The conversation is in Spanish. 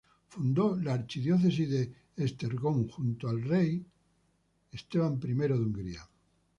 Fundó la arquidiócesis de Esztergom junto al rey San Esteban I de Hungría.